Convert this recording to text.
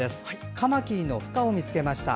カマキリのふ化を見つけました。